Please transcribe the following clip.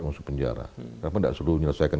masuk penjara kenapa tidak selalu menyelesaikan